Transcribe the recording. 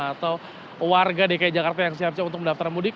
atau warga dki jakarta yang siap siap untuk mendaftar mudik